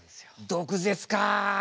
毒舌か。